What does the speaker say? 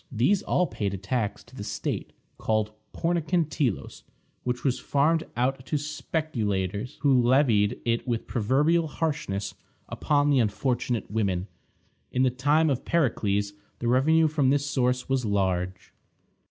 These all paid a tax to the state, called Pornikon Telos, which was farmed out to speculators, who levied it with proverbial harshness upon the unfortunate women. In the time of Pericles the revenue from this source was large.